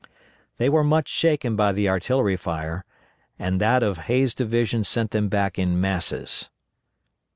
They were much shaken by the artillery fire, and that of Hays' division sent them back in masses.